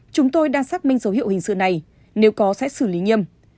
chúng tôi đang xác minh dấu hiệu hình sự này nếu có sẽ xử lý nghiêm